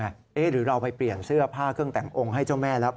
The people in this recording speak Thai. หรือเราไปเปลี่ยนเสื้อผ้าเครื่องแต่งองค์ให้เจ้าแม่แล้ว